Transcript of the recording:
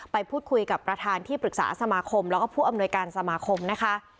ไปพูดคุยกับประธานที่ปรึกษาสมาคมแล้วก็ผู้อำนวยการสมาคมนะคะ